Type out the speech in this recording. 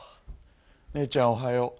姉ちゃんおはよう。